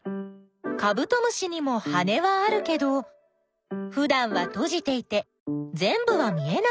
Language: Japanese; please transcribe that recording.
カブトムシにも羽はあるけどふだんはとじていてぜんぶは見えないね。